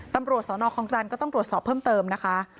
ตำรวจสนคลองจันทร์ก็ต้องตรวจสอบเพิ่มเติมนะคะ